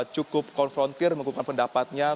cukup konfrontir menggunakan pendapatnya